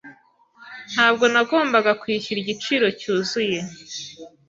Ntabwo nagombaga kwishyura igiciro cyuzuye.